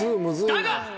だが！